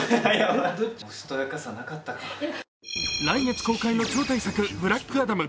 来月公開の超大作「ブラックアダム」。